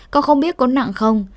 con không biết con nặng không